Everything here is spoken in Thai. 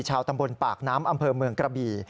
ชาวตำบลปากน้ำอำเภอเมืองกระบี่